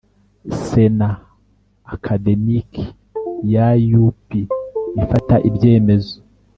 Sena akademiki ya u p ifata ibyemezo